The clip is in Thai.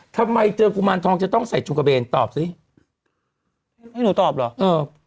ทำไมเจอกุมารทองจะต้องใส่ชุดกระเบนตอบสิให้หนูตอบเหรอเออ